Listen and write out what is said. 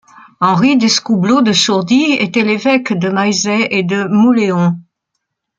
Henri d'Escoubleau de Sourdis était l'évêque de Maillezais et de Mauléon.